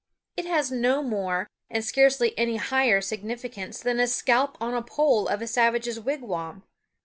It has no more, and scarcely any higher, significance than a scalp on the pole of a savage's wigwam.